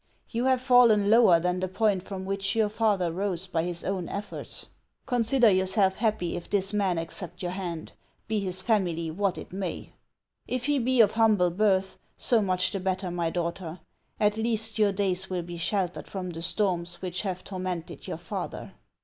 You have fallen lower than the point from which your father rose by his own efforts. Consider your self happy if this man accept your hand, be his family what it may. If he be of humble birth, so much the better, my daughter ; at least your days will be sheltered from the storms which have tormented your father.